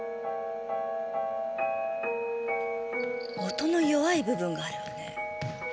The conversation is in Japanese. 「」音の弱い部分があるわね。